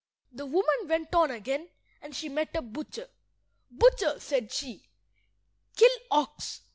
The woman went on again, and she met a butcher. "Butcher," said she, "kill ox.